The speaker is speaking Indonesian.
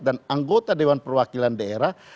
dan anggota dewan perwakilan daerah